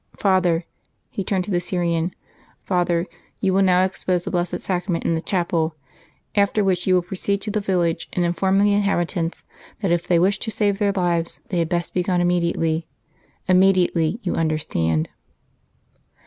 Father " he turned to the Syrian "Father, you will now expose the Blessed Sacrament in the chapel, after which you will proceed to the village and inform the inhabitants that if they wish to save their lives they had best be gone immediately immediately, you understand."